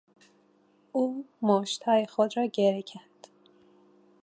او مشتهای خود را گره کرد.